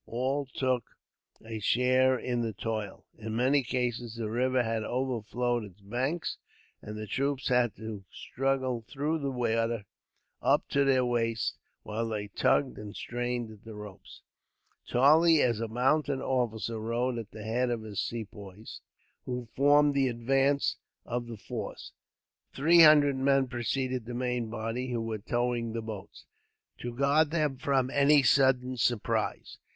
All took a share in the toil. In many cases the river had overflowed its banks, and the troops had to struggle through the water, up to their waists, while they tugged and strained at the ropes. Charlie, as a mounted officer, rode at the head of his Sepoys; who formed the advance of the force. Three hundred men preceded the main body, who were towing the boats, to guard them from any sudden surprise.